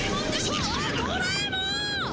あっドラえもん！